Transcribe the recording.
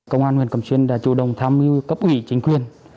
công an huyện cẩm xuyên đã chủ động tham mưu cấp ủy chính quyền